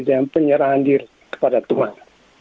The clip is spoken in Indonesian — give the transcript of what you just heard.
penyerahan diri kepada tuhan